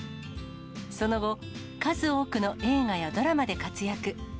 その後、数多くの映画やドラマで活躍。